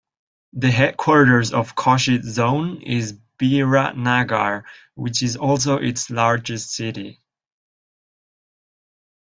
The headquarters of Koshi Zone is Biratnagar which is also its largest city.